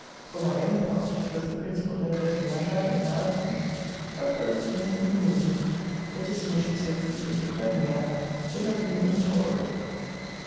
For my own part, it was the principal diversion I had in her absence; but for this innocent amusement, the distance she so frequently kept me at would have been intolerable.